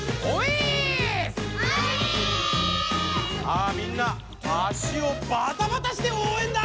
さあみんな足をバタバタしておうえんだ！